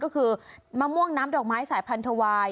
ก็คือมะม่วงน้ำดอกไม้สายพันธวาย